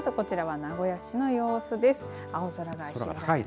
まずこちらは名古屋市の様子です